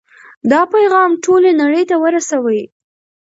دا پیغام ټولې نړۍ ته ورسوئ.